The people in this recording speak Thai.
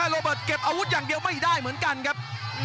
โรเบิร์ตเก็บอาวุธอย่างเดียวไม่ได้เหมือนกันครับ